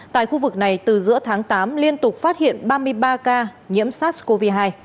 tại khu vực này từ giữa tháng tám liên tục phát hiện ba mươi ba ca nhiễm sars cov hai